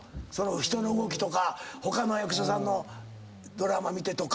人の動きとか他の役者さんのドラマ見てとか。